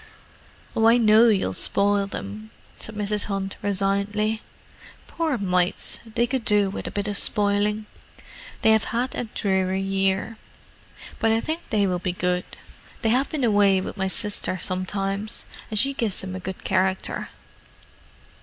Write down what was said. "Oh, I know you'll spoil them," said Mrs. Hunt resignedly. "Poor mites, they could do with a bit of spoiling: they have had a dreary year. But I think they will be good: they have been away with my sister sometimes, and she gives them a good character."